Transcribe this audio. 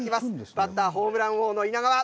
バッター、ホームラン王のいながわ。